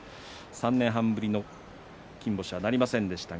３年半ぶりの金星はなりませんでした。